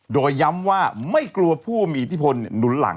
โดยย้ำว่าไม่กลัวผู้มีอิทธิพลหนุนหลัง